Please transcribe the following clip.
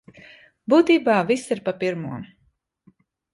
Būtībā viss ir pa pirmo.